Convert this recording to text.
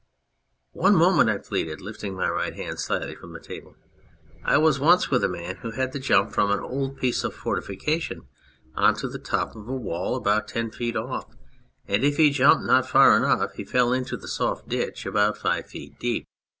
" One moment," I pleaded, lifting my right hand slightly from the table. " I was once with a man who had to jump from an old piece of fortification on to the top of a wall about ten feet off, and if he jumped not far enough he fell into the soft ditch about five feet deep.